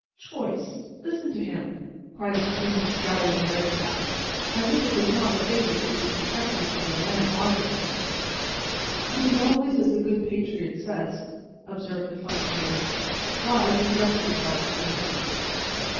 "Choice! Listen to him!" cried the same scowling red cap. "As if it was not a favour to be protected from the lamp iron!" "It is always as the good patriot says," observed the functionary. "Rise and dress yourself, emigrant."